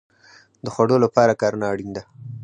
د خوړو لپاره کرنه اړین ده